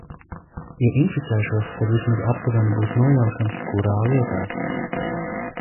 Ja inficēšos, tad vismaz aptuveni būs nojaušams, kurā vietā.